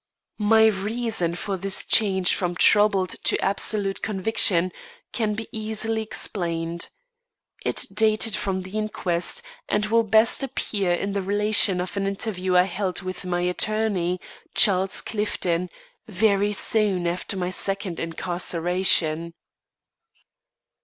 My reason for this change from troubled to absolute conviction can be easily explained. It dated from the inquest, and will best appear in the relation of an interview I held with my attorney, Charles Clifton, very soon after my second incarceration.